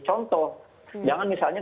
contoh jangan misalnya